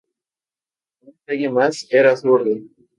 Un detalle más: era zurdo.